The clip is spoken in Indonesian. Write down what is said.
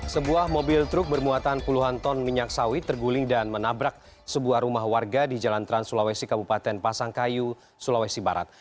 sebuah mobil truk bermuatan puluhan ton minyak sawit terguling dan menabrak sebuah rumah warga di jalan trans sulawesi kabupaten pasangkayu sulawesi barat